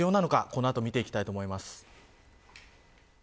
この後見ていきたいと思います。